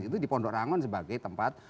itu di pondok rangon sebagai tempat